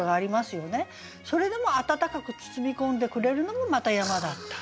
それでも温かく包み込んでくれるのもまた山だった。